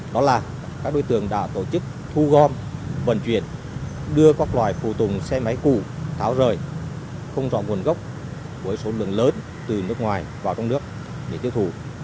đó là các đối tượng đã tổ chức thu gom vận chuyển đưa các loài phụ tùng xe máy cũ tháo rời không rõ nguồn gốc với số lượng lớn từ nước ngoài vào trong nước để tiêu thụ